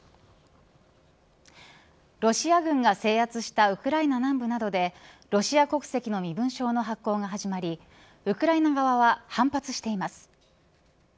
ロシア軍が制圧したウクライナ南部などでロシア国籍の身分証の発行が始まりウクライナ側は反発しています。